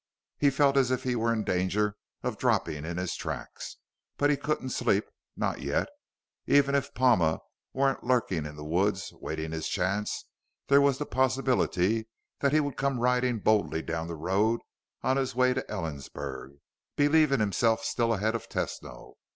He felt as if he were in danger of dropping in his tracks, but he couldn't sleep not yet. Even if Palma weren't lurking in the woods, waiting his chance, there was the possibility that he would come riding boldly down the road on his way to Ellensburg, believing himself still ahead of Tesno.